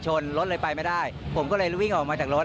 รถเลยไปไม่ได้ผมก็เลยวิ่งออกมาจากรถ